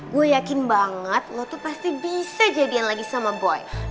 gue yakin banget lo tuh pasti bisa jadian lagi sama boy